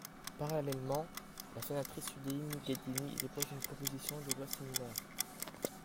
Parallèlement, la sénatrice UDI Muguette Dini dépose une proposition de loi similaire.